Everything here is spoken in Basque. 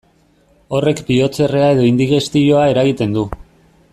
Horrek bihotzerrea edo indigestioa eragiten du.